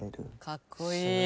かっこいい！